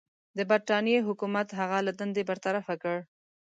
د برټانیې حکومت هغه له دندې برطرفه کړ.